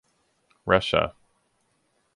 Russia.